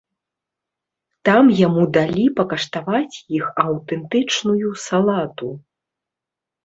Там яму далі пакаштаваць іх аўтэнтычную салату.